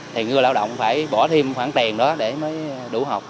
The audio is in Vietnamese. thì người lao động phải bỏ thêm khoản tiền đó để mới đủ học